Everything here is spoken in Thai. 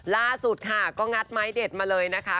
ล่าสุดค่ะก็งัดไม้เด็ดมาเลยนะคะ